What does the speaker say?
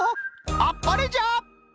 あっぱれじゃ！